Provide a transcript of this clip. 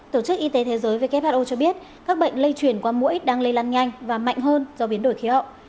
tổ chức y tế thế giới who cho biết các bệnh lây chuyển qua mũi đang lây lan nhanh và mạnh hơn do biến đổi khí hậu